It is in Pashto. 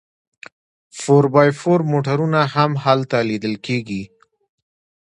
فور بای فور موټرونه هم هلته لیدل کیږي